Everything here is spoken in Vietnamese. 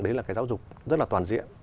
đấy là cái giáo dục rất là toàn diện